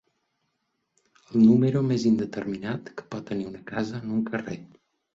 El número més indeterminat que pot tenir una casa en un carrer.